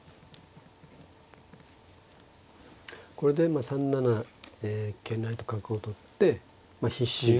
これで３七桂成と角を取ってまあ必至。